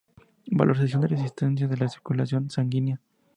Valoración de la existencia de circulación sanguínea.